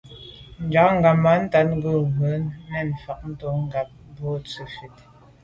Njag ghammatat kà nkum ndùs’a nèn mfan bon ngab bo tswe fite là.